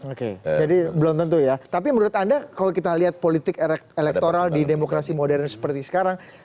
oke jadi belum tentu ya tapi menurut anda kalau kita lihat politik elektoral di demokrasi modern seperti sekarang